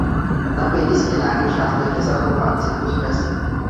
Na pěti stěnách je částečně zachován cyklus fresek.